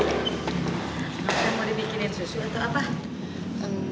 mereka boleh bikinin susu atau apa